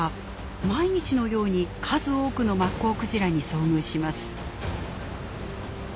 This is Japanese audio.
毎日のように数多くのマッコウクジラに遭遇します。